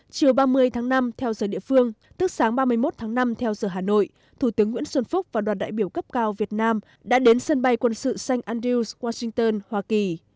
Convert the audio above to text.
chiều ba mươi tháng năm theo giờ địa phương tức sáng ba mươi một tháng năm theo giờ hà nội thủ tướng nguyễn xuân phúc và đoàn đại biểu cấp cao việt nam đã đến sân bay quân sự xanh andiws washington hoa kỳ